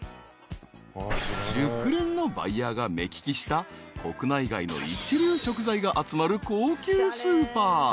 ［熟練のバイヤーが目利きした国内外の一流食材が集まる高級スーパー］